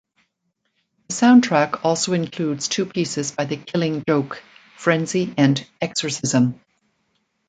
The soundtrack also includes two pieces by the Killing Joke: "Frenzy" and "Exorcism".